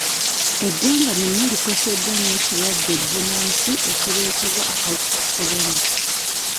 Eggwanga lyonna likoseddwa nnyo ekirwadde bbunansi ekireetebwa akawuka ka kolona.